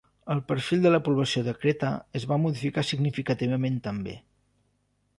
El perfil de la població de Creta es va modificar significativament també.